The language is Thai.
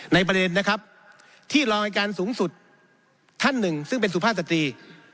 ประเด็นนะครับที่รองอายการสูงสุดท่านหนึ่งซึ่งเป็นสุภาพสตรี